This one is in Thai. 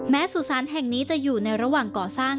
สุสานแห่งนี้จะอยู่ในระหว่างก่อสร้าง